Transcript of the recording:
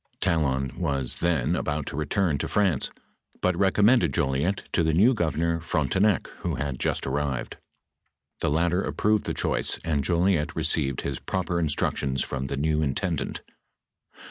}: Talon was then about to return to France, but recommended Jolliet to the new governor Frontenac, who had just arrived. The latter approved the choice, and Jolliet received his proper instructions from the new intendant.